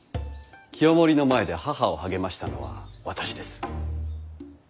清盛の前で母を励ましたのは私です。